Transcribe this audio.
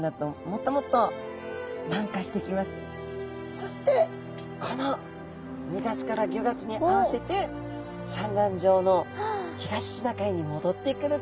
そしてそしてこの２月から５月に合わせて産卵場の東シナ海に戻ってくるっていうことなんですね。